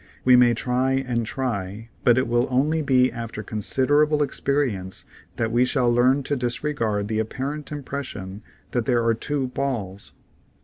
We may try and try, but it will 152 THE SEVEN FOLLIES OF SCIENCE only be after considerable experience that we shall learn to disregard the apparent impression that there are two balls.